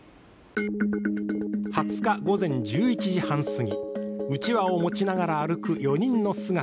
２０日午前１１時半すぎ、うちわを持ちながら歩く４人の姿。